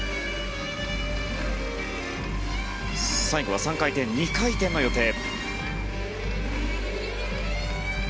最後は３回転、２回転の予定。